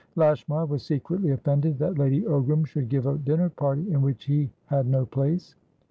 Lashmar was secretly offended that Lady Ogram should give a dinner party in which he had no place.